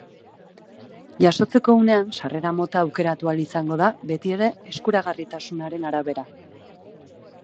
Jasotzeko unean sarrera mota aukeratu ahal izango da, beti ere eskuragarritasunaren arabera.